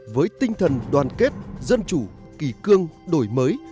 với tinh thần đoàn kết dân chủ kỳ cương đổi mới